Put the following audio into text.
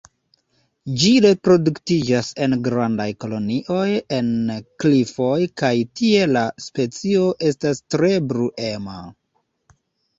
Ĝi reproduktiĝas en grandaj kolonioj en klifoj kaj tie la specio estas tre bruema.